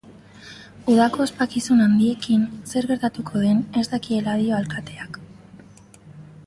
Udako ospakizun handiekin zer gertatuko den ez dakiela dio alkateak.